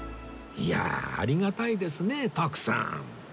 いやあありがたいですね徳さん